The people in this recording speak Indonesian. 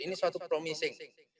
ini suatu promising